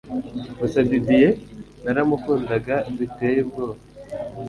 gusa Didier naramukundaga biteye ubwoba